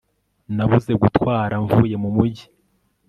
nabuze gutwara mvuye mu mujyi